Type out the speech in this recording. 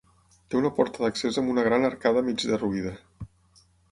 Té una porta d'accés amb una gran arcada mig derruïda.